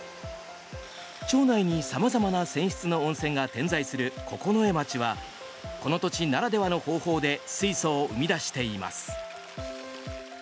町内に様々な泉質の温泉が点在する九重町はこの土地ならではの方法で水素を生み出しています。